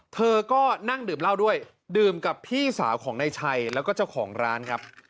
เธอก็นั่งดื่มเหล้าด้วยดื่มกับพี่สาวของนายชัยแล้วก็เจ้าของร้านครับ